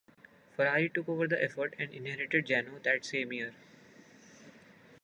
Ferrari took over the effort and inherited Jano that same year.